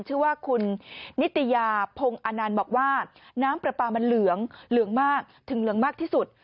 ชื่อว่าคุณนิตยาพงศ์อนันต์บอกว่าน้ำปลาปลามันเหลืองเหลืองมากถึงเหลืองมากที่สุด